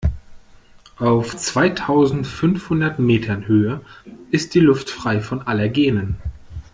Auf zweitausendfünfhundert Metern Höhe ist die Luft frei von Allergenen.